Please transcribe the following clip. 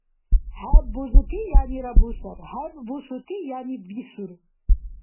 ХӀеб бузути яни бусар, хӀеб бусути яни бисур.